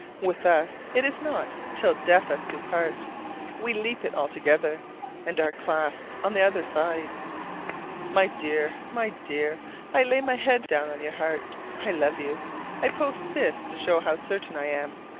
With us it is not "till death us do part": we leap it altogether, and are clasped on the other side. My dear, my dear, I lay my head down on your heart: I love you! I post this to show how certain I am.